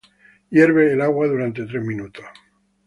hierva el agua durante tres minutos.